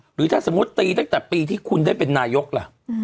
หรือถ้าสมมุติตีตั้งแต่ปีที่คุณได้เป็นนายกล่ะ